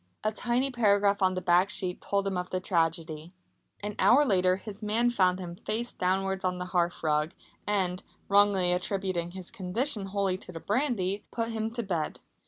A tiny paragraph on the back sheet told him of the tragedy. An hour later his man found him face downwards on the hearthrug and, wrongly attributing his condition wholly to the brandy, put him to bed.